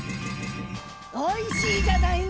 おいしいじゃないの！